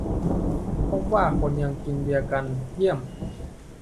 พบว่าคนก็ยังกินเบียร์กัน เยี่ยม !